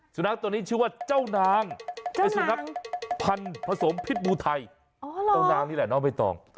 สูนัขตัวนี้ชื่อว่าเจ้านางอันนี้แหละนะไม่ต้อง